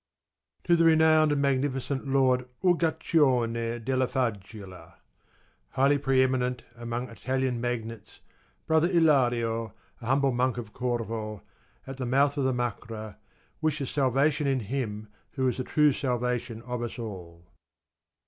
To the renowned and magnificent lord Uguccione della Faggiola, highly pre eminent amongst Italian magnates, brother Ilario, a humble monk of Corvo, at the mouth of the Macra, wishes salvation in him who is the true salvation of us all.